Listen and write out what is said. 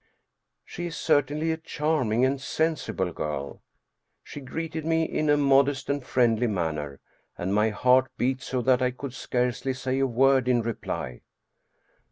She is certainly a charming and sensible girl. She greeted me in a modest and friendly manner, and my heart beat so that I could scarcely say a word in reply.